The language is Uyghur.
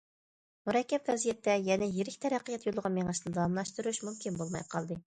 مۇرەككەپ ۋەزىيەتتە، يەنە يىرىك تەرەققىيات يولىغا مېڭىشنى داۋاملاشتۇرۇش مۇمكىن بولماي قالدى.